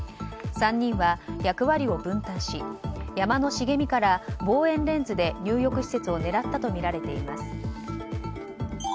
３人は役割を分担し山の茂みから望遠レンズで入浴施設を狙ったとみられています。